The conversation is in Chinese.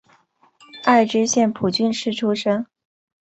爱知县蒲郡市出身。